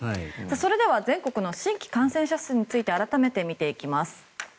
それでは全国の新規感染者数について改めて見ていきます。